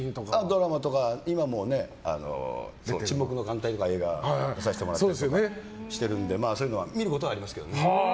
ドラマとか、今も映画の「沈黙の艦隊」とか出させてもらったりしてるので見ることはありますけどね。